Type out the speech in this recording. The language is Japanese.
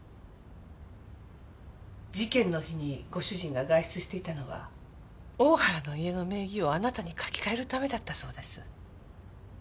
事件の日にご主人が外出していたのは大原の家の名義をあなたに書き換えるためだったそうです。